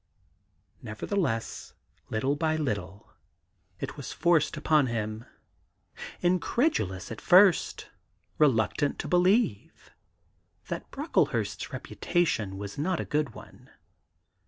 ... Nevertheless, little by little, it was forced upon him — incredulous at first, reluctant to believe — that Brocklehurst's reputation was not a good one.